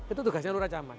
itu tugasnya lurah camat